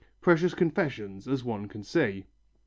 Precious confessions, as one can see.